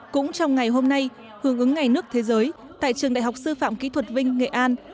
cũng trong ngày hôm nay hưởng ứng ngày nước thế giới tại trường đại học sư phạm kỹ thuật vinh nghệ an